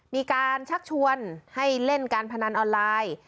มีการชักชวนให้เล่นการพนันออนไลน์